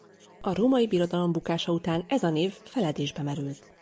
A Római Birodalom bukása után ez a név feledésbe merült.